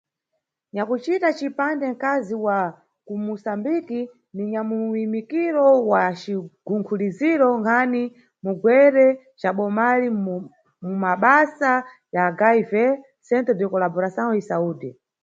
Nyakucita cipande nkazi wa kuMusambiki ni nyamuyimikiro wa cigunkhuliziro nkhani mugwere ca Bomalini mumabasa ya HIV, Centro de Colaboração e Saúde.